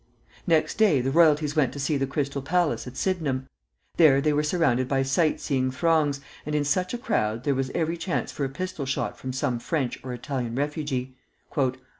Next day the royalties went to see the Crystal Palace, at Sydenham. There they were surrounded by sight seeing throngs, and in such a crowd there was every chance for a pistol shot from some French or Italian refugee.